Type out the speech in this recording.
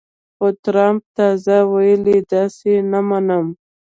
خو ټرمپ تازه ویلي، داسې یې نه منم